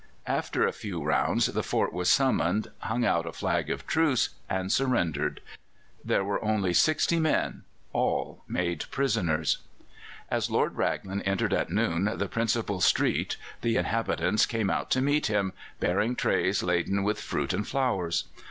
After a few rounds the fort was summoned, hung out a flag of truce, and surrendered. There were only sixty men all made prisoners. As Lord Raglan entered at noon the principal street, the inhabitants came out to meet him, bearing trays laden with fruit and flowers.